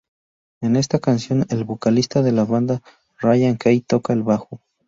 En esta canción, el vocalista de la banda Ryan Key toca el bajo.